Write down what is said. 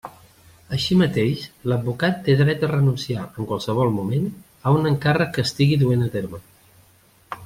Així mateix, l'advocat té dret a renunciar, en qualsevol moment, a un encàrrec que estigui duent a terme.